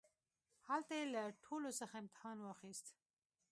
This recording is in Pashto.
هلته يې له ټولوڅخه امتحان واخيست.